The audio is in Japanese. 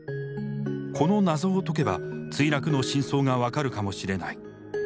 この謎を解けば墜落の真相が分かるかもしれない。